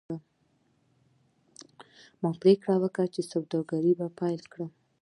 ما پریکړه وکړه چې سوداګري پیل کړم.